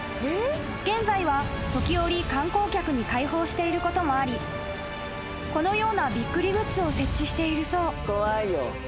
［現在は時折観光客に開放していることもありこのようなびっくりグッズを設置しているそう］